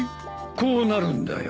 こうなるんだよ。